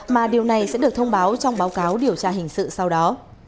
mà điều này sẽ được thông báo trong báo cáo điều tra hình sự sau đó